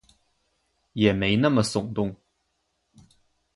也没那么耸动